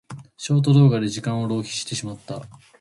ショート動画で時間を浪費してしまった。